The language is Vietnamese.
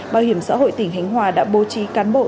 bảo hiểm xã hội tỉnh khánh hòa đã bố trí cán bộ